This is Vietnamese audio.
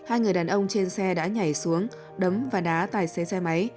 hai người đàn ông trên xe đã nhảy xuống đấm và đá tài xế xe máy